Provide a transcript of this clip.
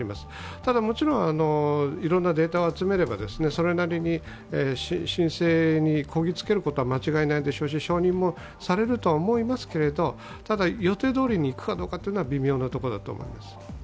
ただ、もちろんいろいろなデータを集めればそれなりに申請にこぎ着けることは間違いないでしょうし承認もされるとは思いますけれどただ、予定どおりにいくかどうかは微妙なところだと思います。